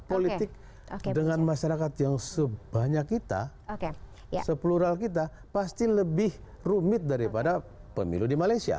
politik dengan masyarakat yang sebanyak kita seplural kita pasti lebih rumit daripada pemilu di malaysia